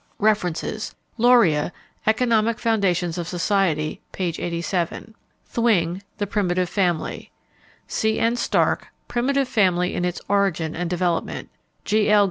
References: Loria, Economic Foundations of Society, p. 87. Thwing, The Primitive Family. C. N. Starcke, Primitive Family in its Origin and Development. G. L.